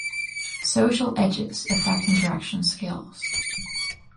Social Edges affect interaction skills.